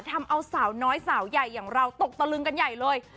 ทำเอาสาวน้อยสาวใหญ่อย่างเราตกตะลึงกันใหญ่เลย